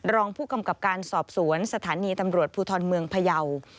รองผู้กำกับการสอบสวนสถานีตำรวจภูทรเมืองพยาว